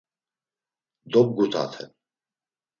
Dobgutaten.